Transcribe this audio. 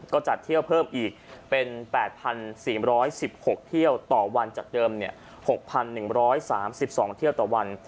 ก็จัดเที่ยวเพิ่มอีกเป็น๘๔๑๖เที่ยวต่อวันจากเดิม๖๑๓๒เที่ยวต่อวัน